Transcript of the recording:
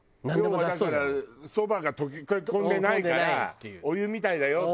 要はだからそばが溶け込んでないからお湯みたいだよって。